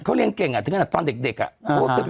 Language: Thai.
เขาเรียนเก่งเพราะว่าก่อนเด็กอะ